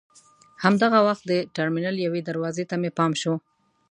همدغه وخت د ټرمینل یوې دروازې ته مې پام شو.